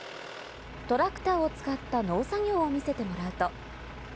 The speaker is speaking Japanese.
トラクターを使った農作業を見せてもらうと。